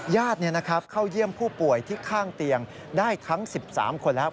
ญาติเข้าเยี่ยมผู้ป่วยที่ข้างเตียงได้ทั้ง๑๓คนแล้ว